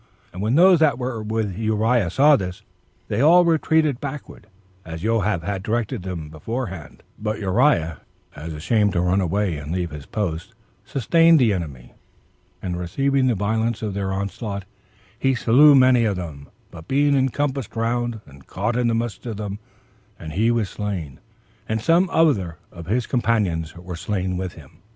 When those that were with Uriah saw this, they all retreated backward, as Joab had directed them beforehand; but Uriah, as ashamed to run away and leave his post, sustained the enemy, and receiving the violence of their onset, he slew many of them; but being encompassed round, and caught in the midst of them, he was slain, and some other of his companions were slain with him.